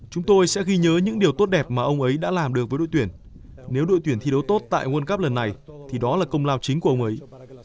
chúng tôi sẽ ghi nhớ những điều tốt đẹp mà ông ấy đã làm được với đội tuyển nếu đội tuyển thi đấu tốt tại world cup lần này thì đó là công lao chính của ông ấy